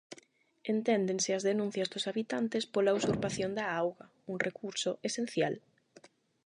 Enténdense as denuncias dos habitantes pola usurpación da auga, un recurso esencial.